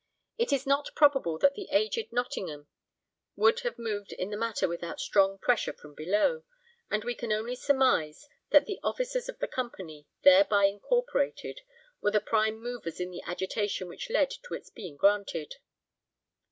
It is not probable that the aged Nottingham would have moved in the matter without strong pressure from below, and we can only surmise that the officers of the company thereby incorporated were the prime movers in the agitation which led to its being granted.